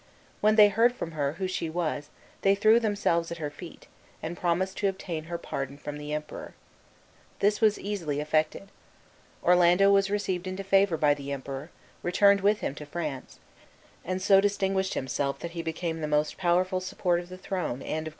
When they heard from her who she was they threw themselves at her feet, and promised to obtain her pardon from the Emperor. This was easily effected. Orlando was received into favor by the Emperor, returned with him to France, and so distinguished himself that he became the most powerful support of the throne and of Christianity.